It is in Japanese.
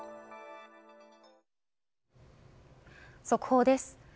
速報です。